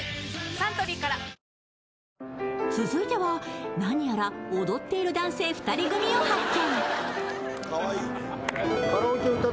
サントリーから続いては、何やら踊っている男性２人組を発見。